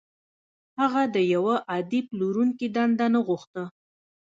هغه د يوه عادي پلورونکي دنده نه غوښته.